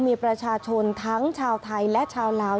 มีประชาชนทั้งชาวไทยและชาวลาว